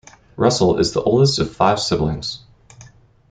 Russell is the oldest of five siblings.